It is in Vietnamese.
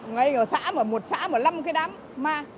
ngay ở xã mà một xã mà năm cái đám ma